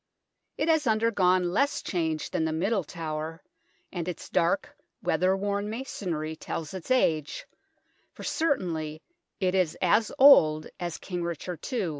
It has undergone less change than the Middle Tower, and its dark, weather worn masonry tells its age, for certainly it is as old as King Richard II.